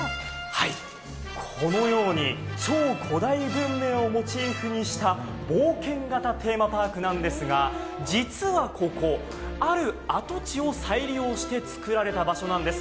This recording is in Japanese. このように超古代文明をモチーフにした冒険型テーマパークなんですが、実はここ、ある跡地を再利用してつくられた場所なんです。